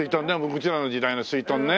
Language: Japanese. うちらの時代のすいとんね。